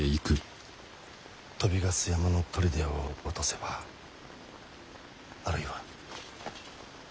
鳶ヶ巣山の砦を落とせばあるいは。